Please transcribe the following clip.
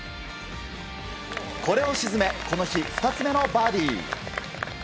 これを沈めこの日２つ目のバーディー！